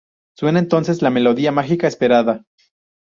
Suena entonces la melodía mágica esperada.